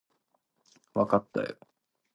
わかったよ